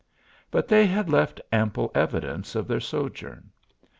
But they had left ample evidence of their sojourn.